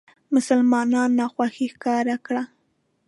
مسلمانانو ناخوښي ښکاره کړه.